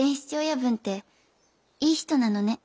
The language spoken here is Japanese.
親分っていい人なのね。